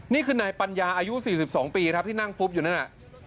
นี่คือนายปัญญาอายุ๔๒ปีครับที่นั่งฟุบอยู่นั่นน่ะ